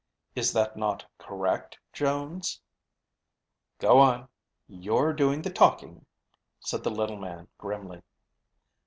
Is that not correct, Jones?" "Go on. You're doing the talking," said the little man grimly.